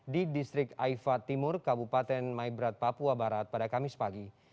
di distrik aifa timur kabupaten maibrat papua barat pada kamis pagi